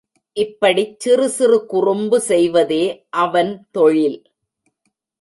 இப்படிச் சிறு சிறு குறும்பு செய்வதே அவன் தொழில்.